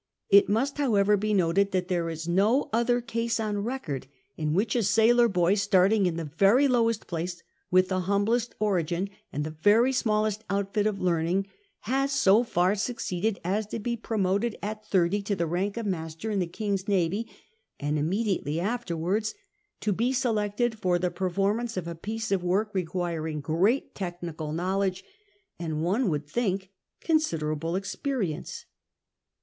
It must, however, be noted that there is no other case on record in which a Siiilor boy shirting in the very lowest place with the humblest origin and the very smallest outfit of learning, has so far succeeded as to be promoted at thirty to the rank of master in the king's iiihvy, and iii) mediately afterwards to ])o selected for the performance of a piece of work requiring great technical knowledge, and — one would think — consider able experience.